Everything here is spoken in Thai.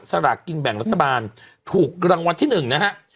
สลากกินแบ่งรัฐบาลถูกรางวัลที่๑นะฮะ